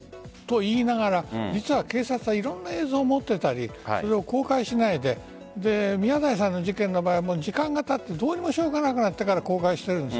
逃げた跡が分からないと言いながら実は警察はいろんな映像を持っていたりそれを公開しないで宮台さんの事件の場合は時間がたってどうにもしょうがなくなってから公開しています。